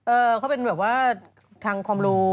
เขาเป็นแบบว่าทางความรู้